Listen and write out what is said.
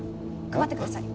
配ってください。